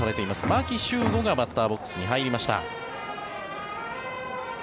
牧秀悟がバッターボックスに入りました。